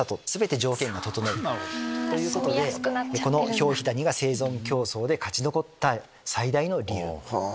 ヒョウヒダニが生存競争で勝ち残った最大の理由です。